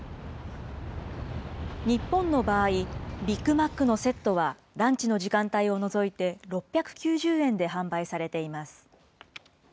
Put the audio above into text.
日本の場合、ビッグマックのセットは、ランチの時間帯を除いて６９０円で販売されています。